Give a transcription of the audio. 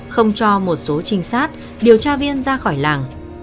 không cho một số trinh sát điều tra viên ra khỏi làng